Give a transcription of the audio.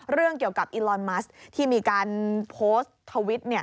เรื่องเกี่ยวกับอิลอนมัสที่มีการโพสต์ทวิต